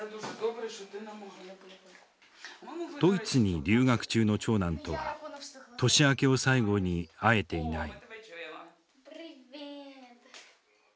ドイツに留学中の長男とは年明けを最後に会えていない。